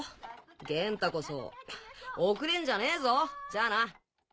元太こそ遅れんじゃねえぞじゃあな。